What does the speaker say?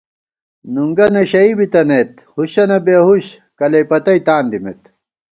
نُنگہ نشَئی بِتَنَئیت، ہُشّنہ بېہُش کلَئیپَتئی تان دِمېت